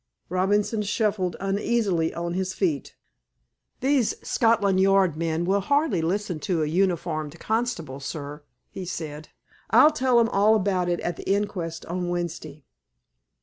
Robinson shuffled uneasily on his feet. "These Scotland Yard men will hardly listen to a uniformed constable, sir," he said. "I'll tell 'em all about it at the inquest on Wednesday."